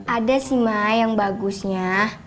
ada sih mak yang bagusnya